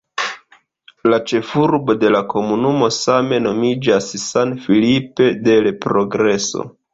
La ĉefurbo de la komunumo same nomiĝas "San Felipe del Progreso".